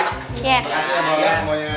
makasih ya semuanya